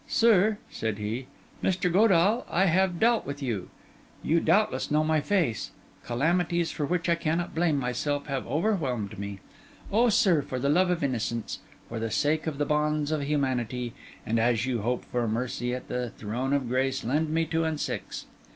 'Sir,' said he, 'Mr. Godall, I have dealt with you—you doubtless know my face—calamities for which I cannot blame myself have overwhelmed me. Oh, sir, for the love of innocence, for the sake of the bonds of humanity, and as you hope for mercy at the throne of grace, lend me two and six!